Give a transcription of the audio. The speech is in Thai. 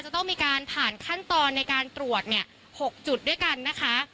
จะต้องมีการผ่านขั้นตอนในการตรวจเนี่ย๖จุดด้วยกันนะคะ